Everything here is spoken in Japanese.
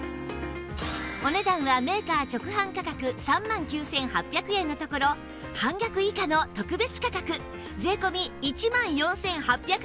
お値段はメーカー直販価格３万９８００円のところ半額以下の特別価格税込１万４８００円です